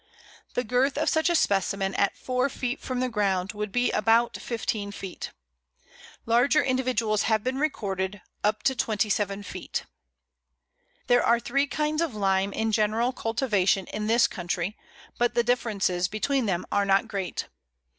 The girth of such a specimen at four feet from the ground would be about fifteen feet. Larger individuals have been recorded, up to twenty seven feet. There are three kinds of Lime in general cultivation in this country, but the differences between them are not great.